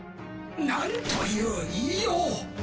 なんという言いよう。